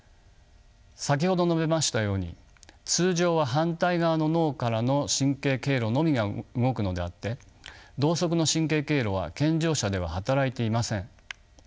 先ほど述べましたように通常は反対側の脳からの神経経路のみが動くのであって同側の神経経路は健常者では働いていません。